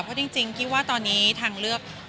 เพราะจริงกี้ว่าตอนนี้ทางเลือก